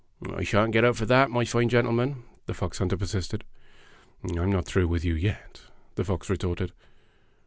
"I shan't get up for that, my fine gentle man," the fox hunter persisted. "I'm not through with you yet," the fox retorted.